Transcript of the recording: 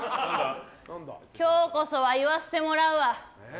今日こそは言わせてもらうわ！